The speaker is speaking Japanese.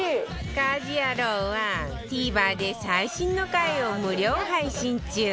『家事ヤロウ！！！』は ＴＶｅｒ で最新の回を無料配信中